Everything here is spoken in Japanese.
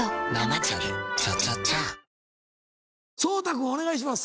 君お願いします。